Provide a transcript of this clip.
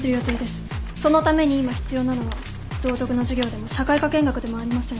そのために今必要なのは道徳の授業でも社会科見学でもありません。